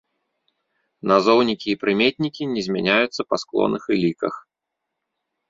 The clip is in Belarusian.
Назоўнікі і прыметнікі не змяняюцца па склонах і ліках.